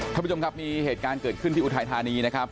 ท่านผู้ชมครับมีเหตุการณ์เกิดขึ้นที่อุทัยธานีนะครับ